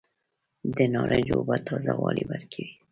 د نارنج اوبه تازه والی ورکوي.